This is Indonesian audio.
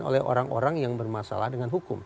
oleh orang orang yang bermasalah dengan hukum